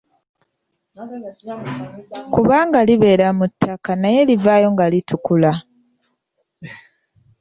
Kubanga libeera mu ttaka naye livaayo nga litukula.